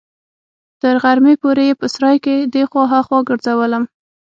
تر غرمې پورې يې په سراى کښې دې خوا ها خوا ګرځولم.